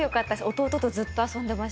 弟とずっと遊んでました。